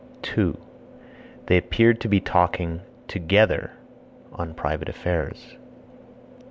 2. They appeared to be talking (together) on private affairs.